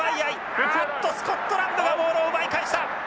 あっとスコットランドがボールを奪い返した。